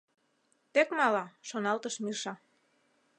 «Тек мала! — шоналтыш Миша.